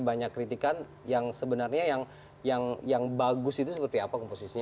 banyak kritikan yang sebenarnya yang bagus itu seperti apa komposisinya